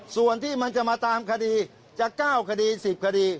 ส่วนที่มันจะมาตามคดีจะ๙คดี๑๐คดี